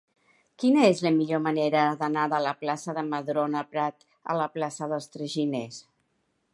Quina és la millor manera d'anar de la plaça de Madrona Prat a la plaça dels Traginers?